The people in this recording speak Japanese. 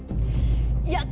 いや